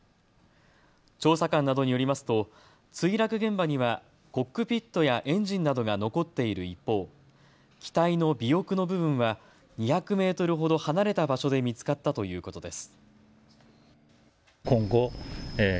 調査官などによりますと墜落現場にはコックピットやエンジンなどが残っている一方、機体の尾翼の部分は２００メートルほど離れた場所で見つかったということです。